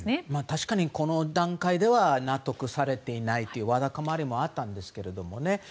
確かにこの段階では納得されていないとわだかまりもあったんですが。